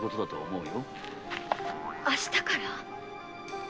明日から？